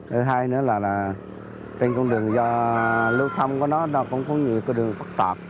thứ hai nữa là trên con đường do lưu thăm của nó nó cũng có nhiều đường phức tạp